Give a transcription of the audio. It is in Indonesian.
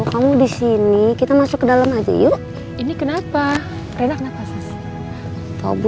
kamu disini kita masuk ke dalam aja yuk ini kenapa